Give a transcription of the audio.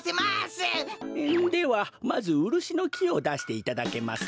ではまずウルシのきをだしていただけますか。